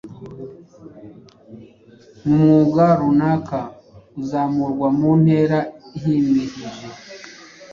mu mwuga runaka, uzamurwa mu ntera ihimihije